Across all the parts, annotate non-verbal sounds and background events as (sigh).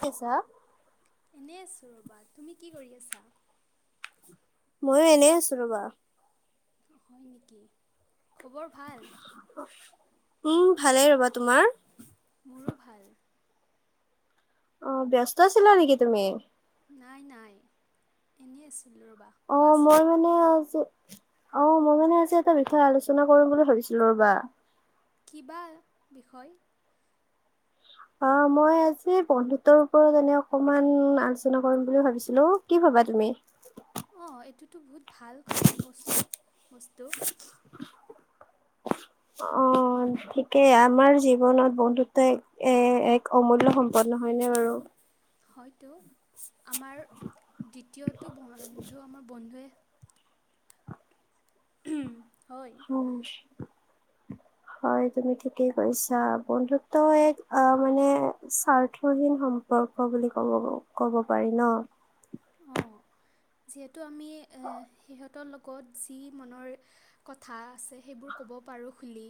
কি ছ এনেই আছোঁ ৰ'বা, তুমি কি কৰি আছা? ময়ো এনেই আছো ৰ'বা। অ', হয় নেকি, খবৰ ভাল? উম, ভালেই ৰবা, তোমাৰ? মোৰো ভাল। অ', ব্যস্ত আছিলা নেকি তুমি? নাই, নাই, এনেই আছিলো ৰ'বা। অ', কোৱাচোন মই মানে আজি অ', মই মানে আজি এটা বিষয় আলোচনা কৰিম বুলি ভাবিছিলো, ৰ'বা। কি বা, বিষয়? অ', মই আজি বন্ধুত্বৰ ওপৰত এনেই অকমান আলোচনা কৰিম বুলি ভাবিছিলো। কি ভাবা তুমি? অ', এইটোতো বহুত ভাল খ, বচ-বস্তু। অ' অ', ঠিকেই আমাৰ জীৱনত বন্ধুত্ব এক এ, এক অমূল্য সম্পদ নহয় নে বাৰু। হয়তো আমাৰ দ্বিতীয়টো বন্ধু আমাৰ বন্ধুৱে হম, হয়। উ হয়, তুমি ঠিকেই কৈছা, বন্ধুত্ব এক আ মানে স্বাৰ্থহীন সম পৰ্ক বুলি ক'ব, ক'ব পাৰি ন? অ', যিহেতু আমি এ, সিহঁতৰ লগত যি মনৰ কথা আছে, সেইবোৰ ক'ব পাৰোঁ খুলি।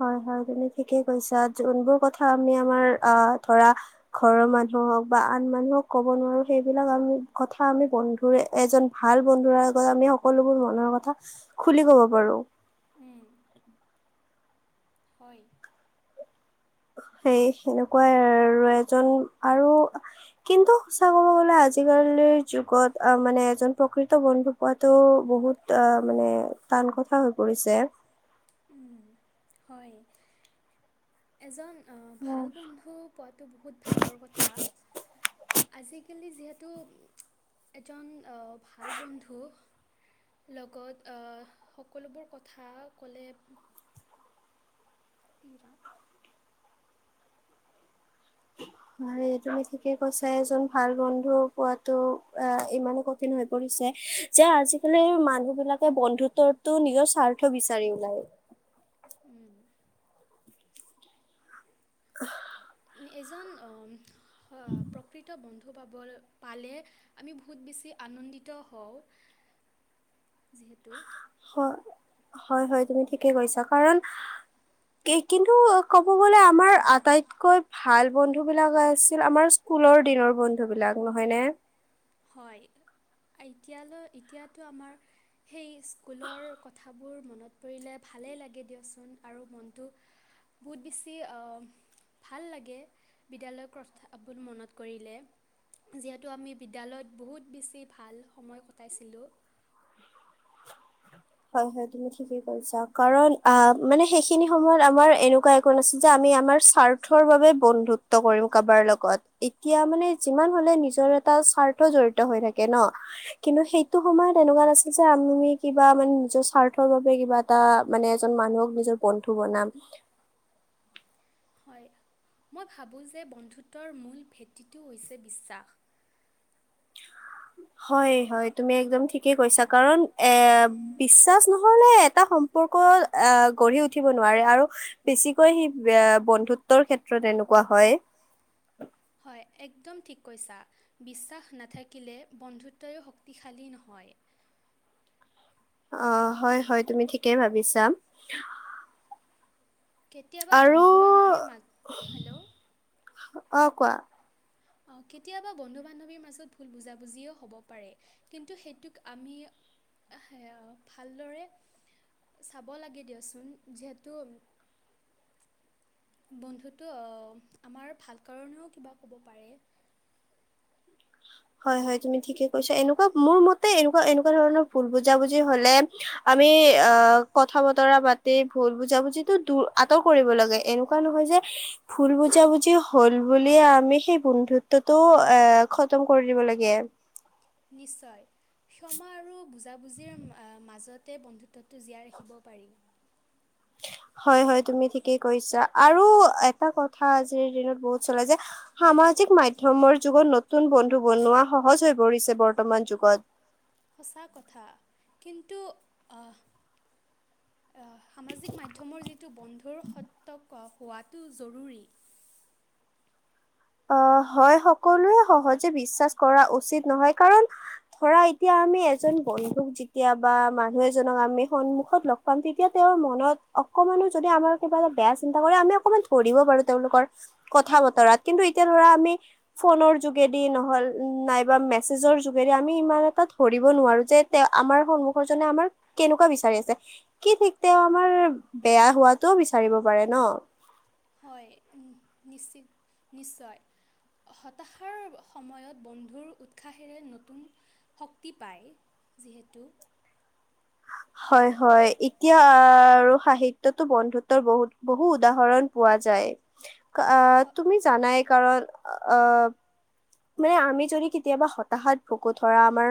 হয়, হয়, তুমি ঠিকেই কৈছা, যোনবোৰ কথা আমি আমাৰ আ ধৰা ঘৰৰ মানুহক বা আন মানুহক ক'ব নোৱাৰো, সেইবিলাক আমি কথা আমি বন্ধ ৱে এজন ভাল বন্ধুৰ আগত আমি, সকলোবোৰ মনৰ কথা খুলি কব পাৰো। উম, হয়। সেই সেনেকুৱাই আৰু এজন আৰু কিন্তু সঁচা ক'ব গলে, আজিকালিৰ যুগত আ, মানে এজন প্ৰকৃত বন্ধু। পোৱাতটো বহুত অ', মানে টান কথা হৈ পৰিছে। উম, হয়। এজন ভাল অ', বন্ধু পোৱাটো বহুত ভাগ্যৰ কথা। আজিকালি যিহেতু, এজন অ', ভাল বন্ধু। লগত আ, সকলোবোৰ কথা ক'লে (unintelligible) হয়, তুমি ঠিকে কৈছা, এজন ভাল বন্ধুক পোৱাতো আ, ইমানেই কঠিন হৈ পৰিছে। যে আজিকালিৰ মানুহ বিলাকে, বন্ধুত্বৰতো নিজৰ স্বাৰ্থ বিচাৰি ওলায়। উম। অহ। এজন অ' প্ৰকৃত বন্ধু পাবৰ পালে, আমি বহুত বেছি আনন্দিত হওঁ, যিহেতু হয়, হয় হয়, তুমি ঠিকে কৈছা, কাৰণ কিন্তু ক'ব গলে আমাৰ আটাইতকৈ ভাল বন্ধু বিলাক আছিল, আমাৰ স্কুলৰ দিনৰ বন্ধু বিলাক। নহয়নে? হয়, এতিয়ালৈ, এতিয়াতো আমাৰ সেই স্কুলৰ কথাবোৰ মনত পৰিলে ভালেই লাগে দিয়াচোন আৰু মনটো বহুত বেছি অ' ভাল লাগে বিদ্যালয়ৰ কথাবোৰ মনত কৰিলে, যিহেতু আমি বিদ্যালয়ত বহুত বেছি ভাল সময় কটাইছিলোঁ। হয় হয়, তুমি ঠিকেই কৈছা। কাৰণ আ, মানে সেইখিনি সময়ত আমাৰ এনেকুৱা একো নাছিল যে, আমি আমাৰ স্বাৰ্থৰ বাবে বন্ধুত্ব কৰিম কাৰোবাৰ লগত। এতিয়া মানে, যিমান হলেও নিজৰ এটা স্বাৰ্থ জড়িত হৈ থাকে ন। কিন্তু সেইটো সময়ত এনেকুৱা নাছিল যে, আমি কিবা মানে, নিজৰ স্বাৰ্থৰ বাবে কিবা এটা মানে এজন মানুহক নিজৰ বন্ধু বনাম। হয়, মই ভাবোঁ যে, বন্ধুত্বৰ মূল ভেটিটো হৈছে বিশ্বাস। হয় হয়, তুমি একদম ঠিক ঠিকেই কৈছা, কাৰণ এ বিশ্বাস নহলে এটা সম্পৰ্ক আহ, গঢ়ি উঠিব নোৱাৰে, আৰু বেছিকৈ সি বন্ধুত্বৰ ক্ষেত্ৰত এনেকুৱা হয়। হয়, একদম ঠিক কৈছা। বিশ্বাস নাথাকিলে, বন্ধুত্বই শক্তিশালী নহয়। অ', হয়, হয়, তুমি ঠিকেই ভাবিছা। কেতিয়াবা আৰু বন্ধু বান্ধৱীৰ মা, হেল্ল' অ', কোৱা। অ', কেতিয়াবা বন্ধু বান্ধৱীৰ মাজত, ভুল বুজাবুজিও হ'ব পাৰে। কিন্তু সেইটোক আমি, এ ভালদৰে চাব লাগে দিয়াচোন, যিহেতু বন্ধুতো আমাৰ ভাল কাৰণেও কিবা ক'ব পাৰে। হয় হয়, তুমি ঠিকে কৈছা, এনেকুৱা মোৰ মতে এনেকুৱা, এনেকুৱা ধৰণৰ ভুল বুজাবুজি হ'লে, আমি আহ কথা বতৰা পাতি, ভুল বুজা বুজিতো দুৰ, আঁতৰ কৰিব লাগে, এনেকুৱা নহয় যে ভুল বুজাবুজি হ'ল বুলিয়েই আমি সেই বন্ধুত্বটোও খতম কৰি দিব লাগে। নিশ্চয়। ক্ষমা আৰু বুজাবুজিৰ মাজতে বন্ধুত্বটো জীয়াই ৰাখিব পাৰি। হয় হয়, তুমি ঠিকেই কৈছা, আৰু এটা কথা আজিৰ দিনত বহুত চলে যে সামাজিক মাধ্যমৰ যুগত নতুন বন্ধু বনোৱা সহজ হৈ পৰিছে, বৰ্তমান যুগত। সঁচা কথা, কিন্তু আহ সামাজিক মাধ্যমৰ যিটো, বন্ধুৰ সৰ্তক হোৱাটো জৰুৰী। আহ, হয়, সকলোৱে সহজে বিশ্বাস কৰা উচিত নহয়, কাৰণ ধৰা, এতিয়া আমি এজন বন্ধুক কেতিয়াবা মানুহ এজনক আমি সন্মুখত লগ পাম, তেতিয়া তেওঁৰ মনত অকমানো যদি আমাৰ কিবা এটা বেয়া চিন্তা কৰে আমি অকণমান ধৰিব পাৰোঁ তেওঁলোকৰ কথা বতৰাত, কিন্তু এতিয়া ধৰা আমি ফোনৰ যোগেদি নহ'ল নাইবা মেচেজৰ যোগেদি আমি ইমান এটা ধৰিব নোৱাৰো যে তেওঁ আমাৰ সন্মুখৰজনে আমাক কেনেকুৱা বিচাৰি আছে। কি ঠিক তেওঁ আমাৰ বেয়া হোৱাটোও বিচাৰিব পাৰে ন। হয় নিশ্চিত নিশ্চয়। হতাশাৰ সময়ত বন্ধুৰ উৎসাহেৰে নতুন শক্তি পায় যিহেতু হয় হয়, এতিয়া আৰু হাঁহি বন্ধুত্বৰ বহুত বহু উদাহৰণ পোৱা যায়। হ তুমি জানাই কাৰণ অ মানে আমি যদি কেতিয়াবা হতাশাত ভোগো ধৰা আমাৰ,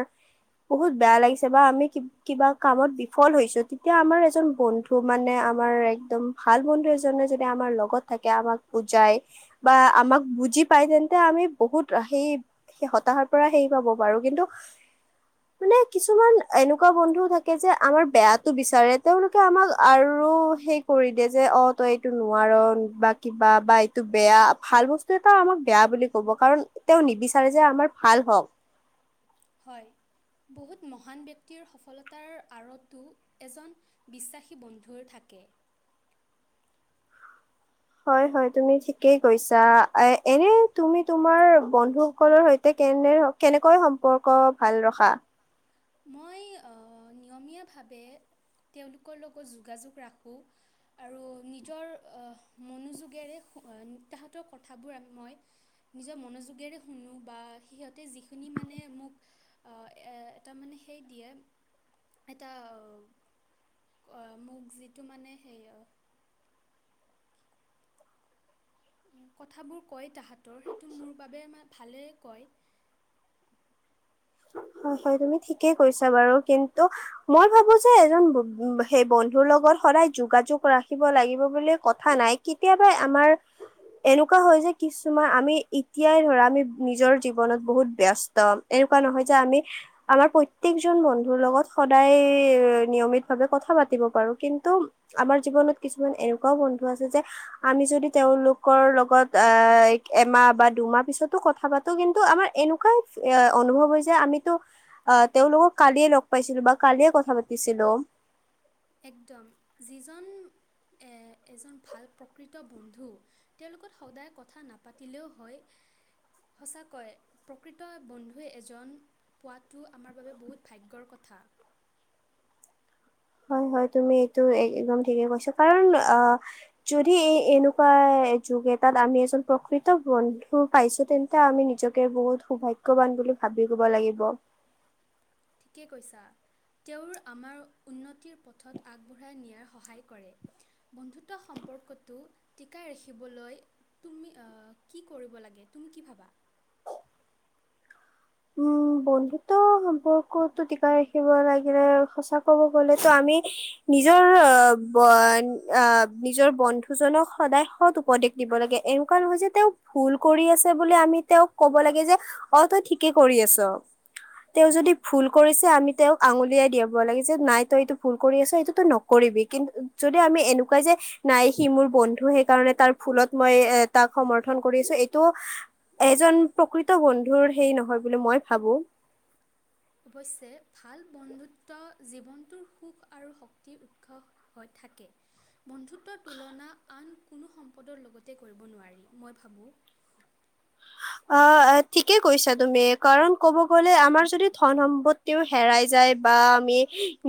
বহুত বেয়া লাগিছে বা আমি কিবা কামত বিফল হৈছোঁ, তেতিয়া আমাৰ এজন বন্ধু মানে আমাৰ একদম ভাল বন্ধু এজনে যদি আমাৰ লগত থাকে আমাক বুজাই বা আমাক বুজি পাই তেন্তে আমি বহুত সেই হতাশাৰ পৰা হেৰি পাব বাৰু কিন্তু মানে কিছুমান এনেকুৱা বন্ধু থাকে, যে আমাৰ বেয়াটো বিচাৰে তেওঁলোকে আমাক আৰু সেই কৰি দে যে, অ তই এইটো নোৱাৰ বা কিবা বা এইটো বেয়া ভাল বস্তু বস্তু এটা আমাক বেয়া বুলি ক'ব, কাৰণ তেওঁ নিবিচাৰে যে আমাৰ ভাল হওঁক। হয় বহুত মহান ব্যক্তিৰ সফলতাৰ আঁৰতো এজন বিশ্বাসী বন্ধুৰ থাকে। হয় হয় তুমি ঠিকেই কৈছা, এ এনে তুমি তোমাৰ বন্ধু সকলৰ সৈতে কেনে কেনেকৈ সম্পৰ্ক ভাল ৰখা? মই নিয়মীয়াভাৱে তেওঁলোকৰ লগত যোগাযোগ ৰাখোঁ। আৰু নিজৰ মনোযোগেৰে তাহঁতৰ কথাবোৰ মই নিজৰ মনোযোগেৰে শুনো বা সিহঁতে যিখিনি মানে মোক অ এ এটাৰ মানে হেৰি দিয়ে এটা মোক যিটো মানে সে কথাবোৰ কয় তাহাঁতৰ সেইটো মোৰ বাবে ভালে কয়। হয় হয় তুমি ঠিকেই কৈছা বাৰু, কিন্তু মই ভাবোঁ যে এজন সেই বন্ধুৰ লগত সদায় যোগাযোগ ৰাখিব লাগিব বুলি কথা নাই, কেতিয়াবা আমাৰ এনেকুৱা হয় যে, কিছুমান আমি এতিয়াই ধৰা আমি নিজৰ জীৱনত বহুত ব্যস্ত এনেকুৱা নহয় যে আমি আমাৰ প্ৰত্যকজন বন্ধুৰ লগত সদায় নিয়মিত ভাৱে কথা পাতিব পাৰো। কিন্তু আমাৰ জীৱনত কিছুমান এনেকুৱাও বন্ধু আছে যে, আমি যদি তেওঁওলোকৰ লগ লগত এমাহ বা দুমাহ পিছতো কথা পাতো, কিন্তু আমাৰ এনেকুৱাই অনুভৱ হৈছে আমিতো অ তেওঁলোকক কালিয়ে লগ পাইছিলো বা কালিয়ে কথা পাতিছিলো। একদম যিজন এজন ভাল প্ৰকৃত বন্ধু তেওঁলগত সদায় কথা নাপাতিলেও হয় সঁচাকাকৈ প্ৰকৃত বন্ধুৱে এজন পোৱাটো আমাৰ বাবে বহুত ভাগ্যৰ কথা। হয় হয় তুমি এইটো একদম ঠিকেই কৈছা। কাৰণ অ যদি এই এনেকুৱা যুগ এটাত আমি এজন প্ৰকৃত বন্ধু পাইছো তেন্ত এয়া আমি নিজকে বহুত সৌভাগ্যবান বুলি ভাবিব লাগিব। ঠিকে কৈছা। তেওঁৰ আমাৰ উন্নতিৰ পথত আগবঢ়াই নিয়াৰ সহায় কৰে। বন্ধুত্ব সম্পৰ্কটো টিকাই ৰাখিবলৈ তুমি কি কৰিব লাগে, তুমি কি ভাবা? উম, বন্ধুত্ব সম্পৰ্কতো টিকাই ৰাখিব লাগিলে সঁচাক ক'ব গলেতো আমি নিজৰ অ' বন আহ নিজৰ বন্ধুজনক সদায় সৎ উপদেশ দিব লাগে। এনেকুৱা নহয় যে তেওঁ ভুল কৰি আছে বোলে আমি তেওঁক কব লাগে যে অ তই ঠিকে কৰি আছ। তেওঁ যদি ভুল কৰিছে আমি তেওঁক আঙুলিয়াই দিয়াব লাগে। যে নাই তই এইটো ভুল কৰি আছ এইটো নক কৰিবি। কিন্তু যদি আমি এনেকুৱাই যে নাই সি মোৰ বন্ধু সেইকাৰণে তাৰ ভুলত মই এ তাক সমৰ্থন কৰিছো। এইটো এজন প্ৰকৃত বন্ধুৰ হেই নহয় বুলি মই ভাবো। অৱশ্যে ভাল বন্ধুত্ব জীৱনটোৰ সুখ আৰু শক্তিৰ উৎস হৈ থাকে। বন্ধুত্বৰ তুলনা আন কোনো সম্পদৰ লগতে কৰিব নোৱাৰি মই ভাবোঁ। অ' অ' ঠিকে কৈছা তুমি। কাৰণ ক'ব গ'লে আমাৰ যদি ধন সম্পত্তিও হেৰাই যায় বা আমি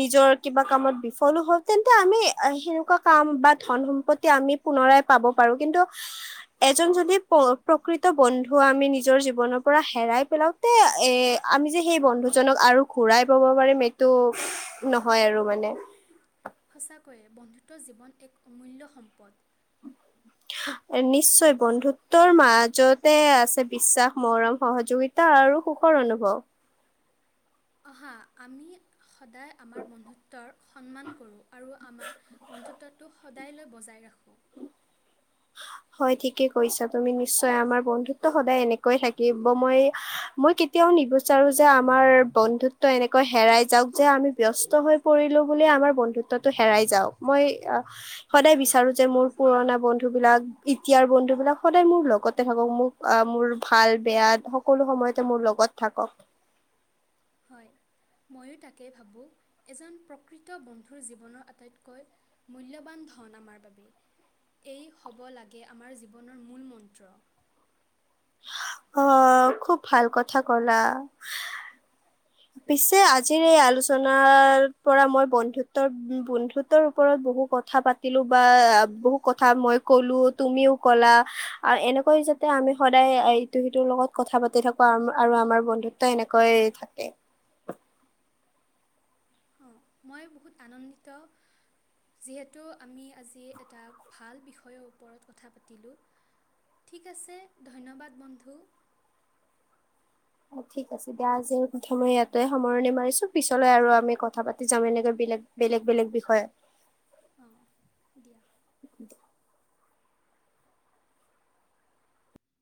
নিজৰ কিবা কামত বিফলো হওঁ, তেন্তে আমি সেনেকুৱা কাম বা ধন সম্পত্তি আমি পুনৰাই পাব পাৰো। কিন্তু এজন যদি প্ৰকৃত বন্ধু ৰা আমি নিজৰ জীৱনৰ পৰা হেৰাই পেলাওতে এ আমি যে সেই বন্ধুজনক আৰু ঘুৰাই পাব পাৰিম তো নহয় আৰু মানে। সঁচাকৈয়ে বন্ধুত্ব জীৱন এক অমূল্য সম্পদ। নিশ্চয়। বন্ধুত্বৰ মাজতে আছে বিশ্বাস মৰম সহযোগিতা তা আৰু সুখৰ অনুভৱ। অহা আমি সদায় আমাৰ বন্ধুত্বৰ সন্মান কৰোঁ আৰু আমাৰ বন্ধুত্বটো সদায় লৈ বজাই ৰাখোঁ। হয়। ঠিকে কৈছা তুমি, নিশ্চয় আমাৰ বন্ধুতটো সদায় এনেকৈয় থাকিব। মই মই তিয়াও নিবিচাৰো যে আমাৰ বন্ধুত্ব এনেকৈ হেৰাই যাওঁক, যে আমি ব্যস্ত হৈ কৰিলো বুলিয়ে আমাৰ বন্ধুত্বটো হেৰাই যাওঁক। মই সদায় বিচাৰো যে মোৰ পুৰণা বন্ধু বিলাক এতিয়াৰ বন্ধুবিলাক সদায় মোৰ লগতে থাকক। মোক মোৰ ভাল বেয়া সকলো সময়তে মোৰ লগত থাকক। হয়। ময়ো তাকে ভাবোঁ, এজন প্ৰকৃত বন্ধুৰ জীৱনৰ আটাইতকৈ মূল্যবান ধন আমাৰ বাবে। এই হ'ব লাগে আমাৰ জীৱনৰ মূল মন্ত্ৰ। অ' খুব ভাল কথা ক'লা। পিছে আজিৰ এই আলোচনাৰ পৰা মই বন্ধুত্বৰ বন্ধুত্ব ৰ ওপৰত বহু কথা পাতিলো বা বহু কথা মই ক'লো তুমিও ক'লা আৰু এনেকৈ যাতে আমি সদায় ইটো সিটোৰ লগত কথা পাতি থাকোঁ আৰু আৰু আমাৰ বন্ধুত্ব এনেকৈ থাকে। অঁ মই বহুত আনন্দিত যিহেতু আমি আজি এটা ভাল বিষয়ৰ ওপৰত কথা পাতিলোঁ। ঠিক আছে ধন্যবাদ বন্ধু। অ' ঠিক আছে দিয়া, আজিৰ প্ৰথমে ইয়াতে সামৰণি মাৰিছো পিছলৈ আৰু আমি কথা পাতি তি যাম এনেকে বেলেগ বেলেগ বেলেগ বিষয়ে। অঁ দিয়া।